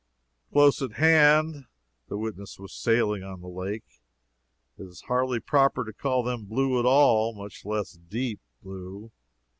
Close at hand (the witness was sailing on the lake,) it is hardly proper to call them blue at all, much less "deep" blue.